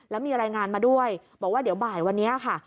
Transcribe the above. แล้วมีรายงานมาด้วยบอกว่าเดี๋ยวบ่ายวันนี้ค่ะ